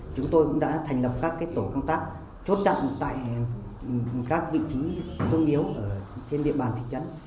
chúng tôi cũng đã thành lập các tổ công tác chốt chặt tại các vị trí xung yếu trên địa bàn thị trấn